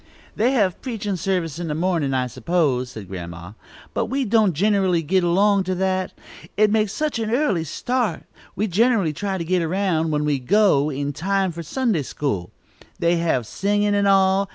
"They have preachin' service in the mornin', I suppose," said Grandma. "But we don't generally git along to that. It makes such an early start. We generally try to get around, when we go, in time for Sunday school. They have singin' and all.